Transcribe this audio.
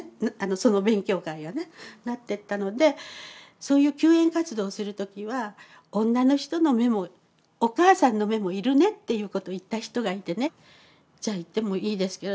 その勉強会がねなってったのでそういう救援活動する時は女の人の目もお母さんの目も要るねっていうことを言った人がいてねじゃあ行ってもいいですけどって。